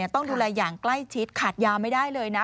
ต้องดูแลอย่างใกล้ชิดขาดยาไม่ได้เลยนะ